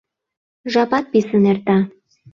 Жапат писын эрта.